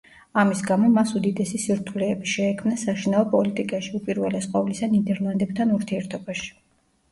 ამის გამო მას უდიდესი სირთულეები შეექმნა საშინაო პოლიტიკაში, უპირველეს ყოვლისა ნიდერლანდებთან ურთიერთობაში.